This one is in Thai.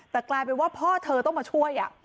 แต่กลายเป็นว่าพ่อเธอต้องมาช่วย